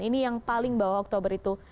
ini yang paling bawah oktober itu